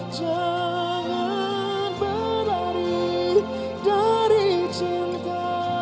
jangan berlari dari cinta